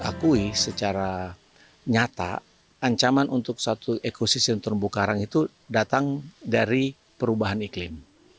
akui secara nyata ancaman untuk suatu ekosistem terumbu karang itu datang dari perubahan iklim